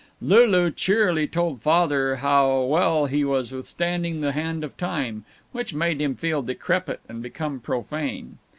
Lulu cheerily told Father how well he was withstanding the hand of Time, which made him feel decrepit and become profane.